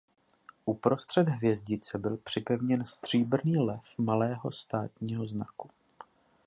Uprostřed hvězdice byl připevněn stříbrný lev malého státního znaku.